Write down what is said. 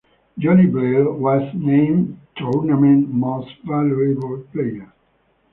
Johnny Bladel was named Tournament Most Valuable Player.